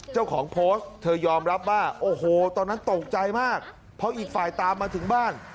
เจ้าของโพสต์เธอยอมรับว่าโอ้โหตอนนั้นตกใจมากเพราะอีกฝ่ายตามมาถึงบ้าน